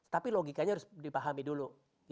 tapi logikanya harus dipahami dulu